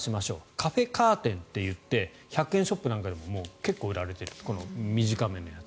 カフェカーテンって言って１００円ショップなんかでも結構売られているこの短めのやつ。